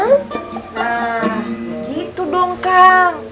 nah gitu dong kang